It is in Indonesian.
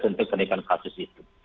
untuk kenaikan kasus itu